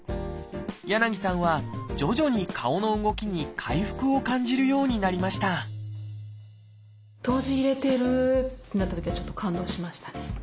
柳さんは徐々に顔の動きに回復を感じるようになりました閉じれてる！ってなったときはちょっと感動しましたね。